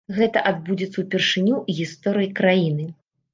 Гэта адбудзецца ўпершыню ў гісторыі краіны.